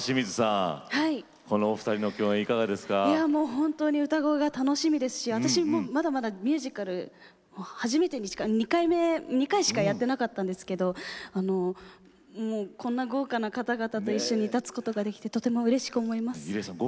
清水さん歌声が楽しみですし私もまだまだミュージカル２回しかやっていなかったんですけどこんな豪華な方々と一緒に立つことができてとてもうれしく思います。